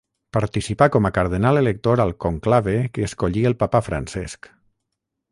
Participà com a cardenal elector al conclave que escollí el papa Francesc.